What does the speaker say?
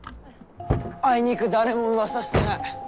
あいにく誰も噂してない。